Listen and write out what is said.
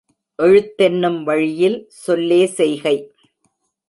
எழுத்தென்னும் வழியில் சொல்லே செய்கை.